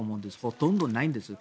ほとんどないんです。